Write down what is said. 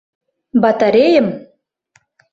— Батарейым?